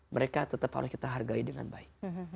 mereka tetap harus kita hargai dengan baik